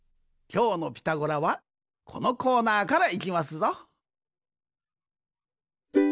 きょうの「ピタゴラ」はこのコーナーからいきますぞ。